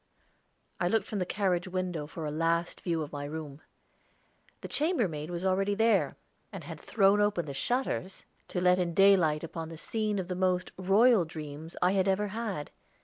I looked from the carriage window for a last view of my room. The chambermaid was already there, and had thrown open the shutters, to let in daylight upon the scene of the most royal dreams I had ever had.